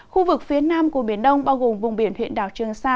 khu vực phía nam của biển đông bao gồm vùng biển huyện đảo trường sa